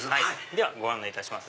ではご案内いたします。